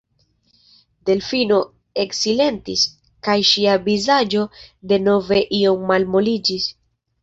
Delfino eksilentis, kaj ŝia vizaĝo denove iom malmoliĝis.